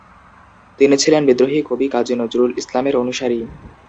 তিনি ছিলেন বিদ্রোহী কবি কাজী নজরুল ইসলামের অনুসারী।